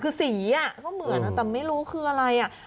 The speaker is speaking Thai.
คือสีก็เหมือนแต่ไม่รู้คืออะไรอ่ะ